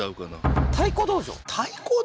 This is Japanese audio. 太鼓道場？